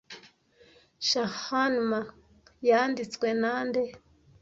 'Shahnama' yanditswe na nde